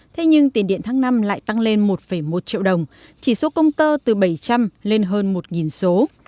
thế nhưng tiền điện tháng năm lại tăng lên một một triệu đồng chỉ số công tơ từ bảy trăm linh lên hơn một số